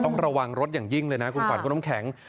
ต้องระวังรถอย่างยิ่งเลยนะคุณขวัญคุณน้ำแข็ง